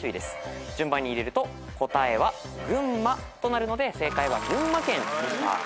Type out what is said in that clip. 順番に入れると「コタエハグンマ」となるので正解は群馬県でした。